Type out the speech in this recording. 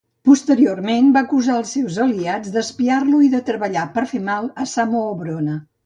Posteriorment, va acusar els seus aliats d'espiar-lo i de treballar per fer mal a Samoobrona.